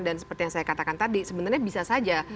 dan seperti yang saya katakan tadi sebenarnya bisa saja